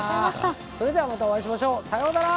それではまたお会いしましょう！さようなら！